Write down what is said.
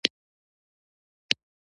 د سلام ځواب یې په اشاره راکړ .